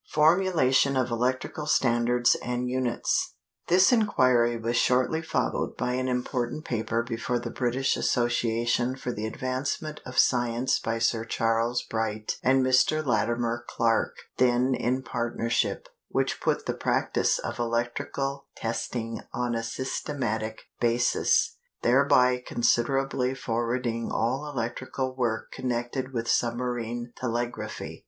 Formulation of Electrical Standards and Units. This inquiry was shortly followed by an important paper before the British Association for the advancement of science by Sir Charles Bright and Mr. Latimer Clark (then in partnership), which put the practise of electrical testing on a systematic basis, thereby considerably forwarding all electrical work connected with submarine telegraphy.